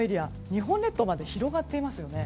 日本列島に広がっていますよね。